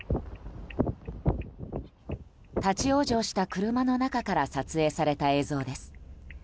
立ち往生した車の中から撮影された映像です。